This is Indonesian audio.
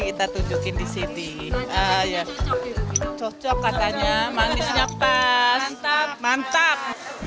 kita tunjukin di sini cocok katanya manisnya pas mantap